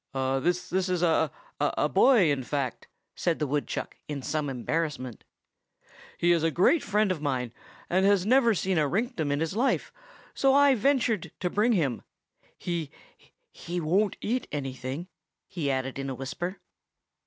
"This is a—a—a boy, in fact," said the woodchuck in some embarrassment. "He is a great friend of mine, and has never seen a rinktum in his life, so I ventured to bring him. He—he won't eat anything!" he added in a whisper.